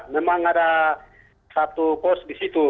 memang ada satu pos di situ